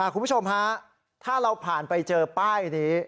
คุณผู้ชมฮะถ้าเราผ่านไปเจอป้ายนี้